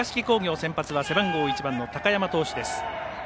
工業先発は背番号１番の高山投手です。